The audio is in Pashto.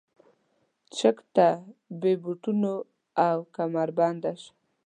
چک ته بې بوټونو او کمربنده شه.